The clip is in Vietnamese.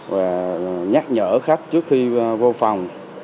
và nhắc nhở khách trước khi vô phòng